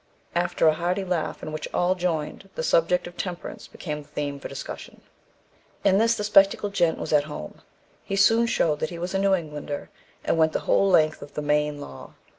After a hearty laugh in which all joined, the subject of Temperance became the theme for discussion. In this the spectacled gent was at home. He soon showed that he was a New Englander, and went the whole length of the "Maine Law."